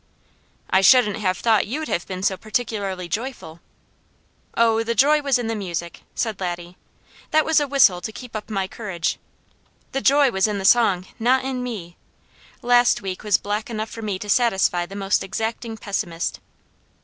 "I shouldn't have thought you'd have been so particularly joyful." "Oh, the joy was in the music," said Laddie. "That was a whistle to keep up my courage. The joy was in the song, not in me! Last week was black enough for me to satisfy the most exacting pessimist."